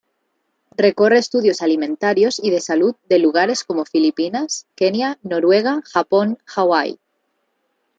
Recorre estudios alimentarios y de salud de lugares como Filipinas, Kenia, Noruega, Japón, Hawái.